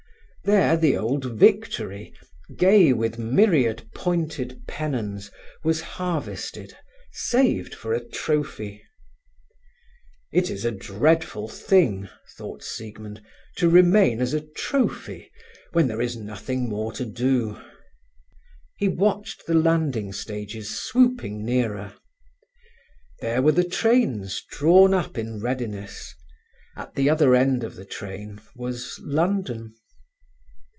There the old Victory, gay with myriad pointed pennons, was harvested, saved for a trophy. "It is a dreadful thing," thought Siegmund, "to remain as a trophy when there is nothing more to do." He watched the landing stages swooping nearer. There were the trains drawn up in readiness. At the other end of the train was London.